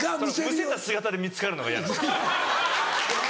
むせた姿で見つかるのが嫌です。